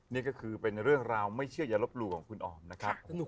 นี่ก็คือเป็นเรื่องราวไม่เชื่ออย่าลบหลู่ของคุณออมนะครับ